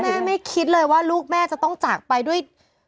ไม่คิดเลยว่าลูกแม่จะต้องจากไปด้วย